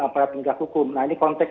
aparat penjaga hukum nah ini konteks